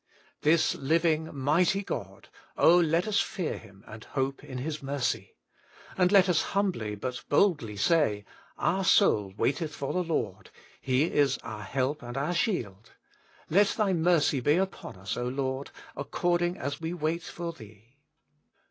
This living, mighty God, oh, let uj? fear Him and hope in His mercy. And let us humbly but boldly say, 'Our soul waiteth for the Lord; He is our help and our shield. Let Thy mercy be upon us, Lord, according as we wait for Thee.'